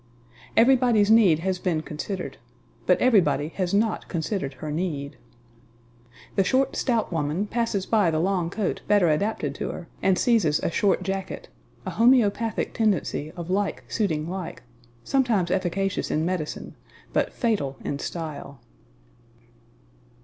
Everybody's need has been considered, but everybody has not considered her need. The short, stout woman passes by the long coat better adapted to her and seizes a short jacket a homeopathic tendency of like suiting like, sometimes efficacious in medicine, but fatal in style.